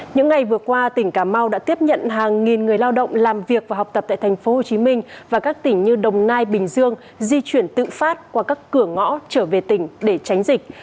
những ngày vừa qua tỉnh cà mau đã tiếp nhận hàng nghìn người lao động làm việc và học tập tại thành phố hồ chí minh và các tỉnh như đồng nai bình dương di chuyển tự phát qua các cửa ngõ trở về tỉnh để tránh dịch